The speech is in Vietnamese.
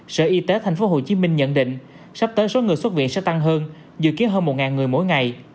sở y tế tp hcm nhận định sắp tới số người xuất viện sẽ tăng hơn dự kiến hơn một người mỗi ngày